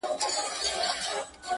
انسانیت د ټولو ارزښتونو بنسټ دی.